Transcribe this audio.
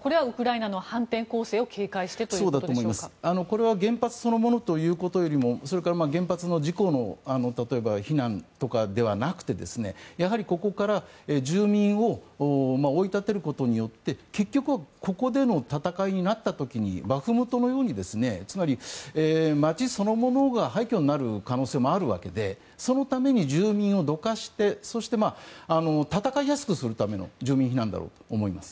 これは原発そのものというよりもそれから原発の事故の例えば避難とかではなくてやはり、ここから住民を追い立てることによって結局、ここでの戦いになった時にバフムトのようにつまり、街そのものが廃虚になる可能性もあるわけでそのために住民をどかしてそして、戦いやすくするための住民避難だろうと思います。